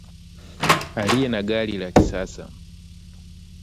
aliye na gari la kisasa